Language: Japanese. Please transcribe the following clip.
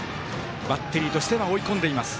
バッテリーとしては追い込んでいます。